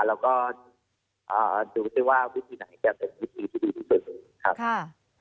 แล้วก็ดูซิว่าวิธีไหนจะเป็นวิธีที่ดีที่สุดครับ